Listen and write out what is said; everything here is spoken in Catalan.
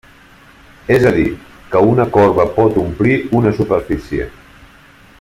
És a dir que una corba pot omplir una superfície.